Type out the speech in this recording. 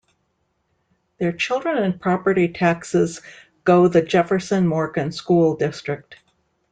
Their children and property taxes go the Jefferson Morgan school district.